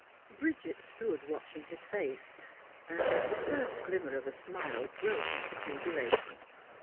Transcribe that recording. Bridget stood watching his face, and at the first glimmer of a smile broke into jubilation.